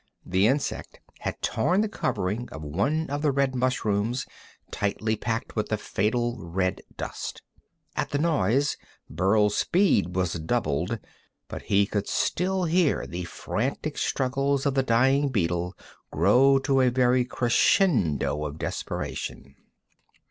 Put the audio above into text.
The insect had torn the covering of one of the red mushrooms, tightly packed with the fatal red dust. At the noise, Burl's speed was doubled, but he could still hear the frantic struggles of the dying beetle grow to a very crescendo of desperation.